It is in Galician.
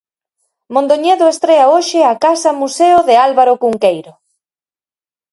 Mondoñedo estrea hoxe a Casa Museo de Álvaro Cunqueiro.